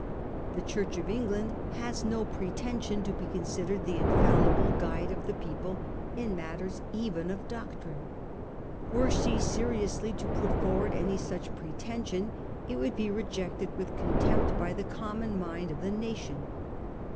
The Church of England has no pretension to be considered the infallible guide of the people in matters even of doptrine. Were she seri • ously to put forward any such pretension, it would be rejected with contempt by the common mind of the nation.